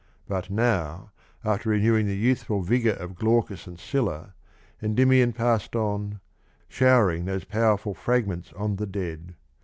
But now, after renewing the youthful vigour of Glaucus and Scylla, Endymion passed on — Showering those jxiwerful fraj^nients on the dead.